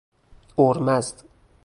اُرمزد